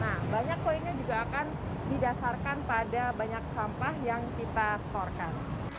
nah banyak poinnya juga akan didasarkan pada banyak sampah yang kita setorkan